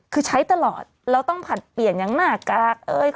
คือใช้ตลอดเราต้องผลัดเปลี่ยนอย่างหน้ากาก